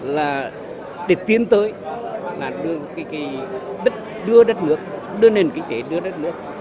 là để tiến tới là đưa đất nước đưa nền kinh tế đưa đất nước